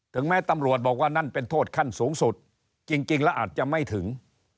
แม้ตำรวจบอกว่านั่นเป็นโทษขั้นสูงสุดจริงแล้วอาจจะไม่ถึง